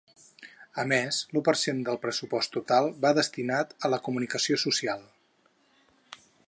A més, l’u per cent del pressupost total va destinat a la comunicació social.